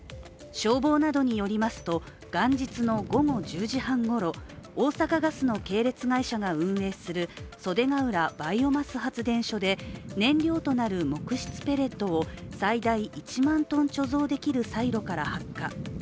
消防などによりますと、元日の午後１０時半ごろ大阪ガスの系列会社が運営する袖ケ浦バイオマス発電所で燃料となる木質ペレットを最大１万ｔ貯蔵できるサイロから発火。